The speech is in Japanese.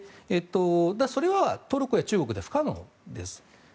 それは、トルコや中国では不可能です。